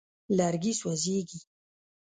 لرګي سوځېږي.